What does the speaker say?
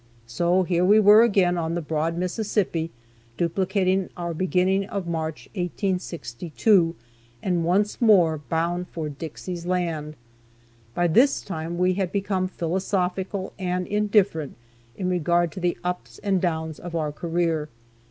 So here we were again on the broad Mississippi, duplicating our beginning of March, 1862, and once more bound for "Dixie's Land." By this time we had become philosophical and indifferent in regard to the ups and downs of our career.